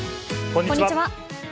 こんにちは。